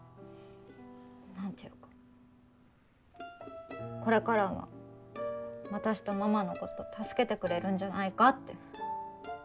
何て言うかこれからは私とママのこと助けてくれるんじゃないかって。